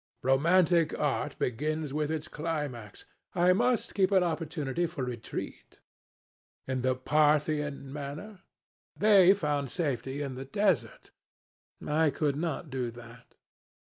"Romantic art begins with its climax." "I must keep an opportunity for retreat." "In the Parthian manner?" "They found safety in the desert. I could not do that."